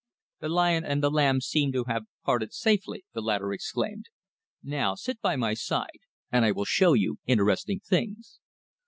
"The lion and the lamb seem to have parted safely!" the latter exclaimed. "Now sit by my side and I will show you interesting things.